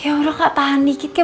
yaudah kak tahan dikit kak